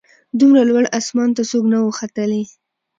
دومره لوړ اسمان ته څوک نه وه ختلي